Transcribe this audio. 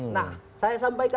nah saya sampaikan itu